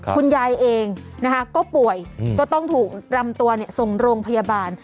คุณยายเองก็ป่วยก็ต้องถูกรำตัวส่งโรงพยาบาล